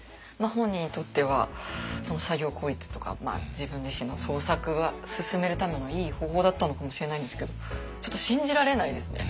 本人にとっては作業効率とか自分自身の創作を進めるためのいい方法だったのかもしれないんですけどちょっと信じられないですね。